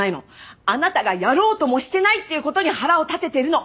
あなたがやろうともしてないっていうことに腹を立ててるの。